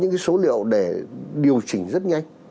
chúng ta sẽ có những số liệu để điều chỉnh rất nhanh